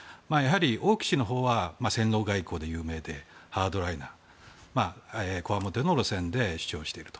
王毅氏のほうは戦狼外交で有名で、ハード外交でこわもての路線で主張していると。